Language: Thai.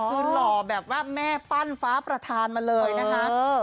คือหล่อแบบว่าแม่ปั้นฟ้าประธานมาเลยนะคะ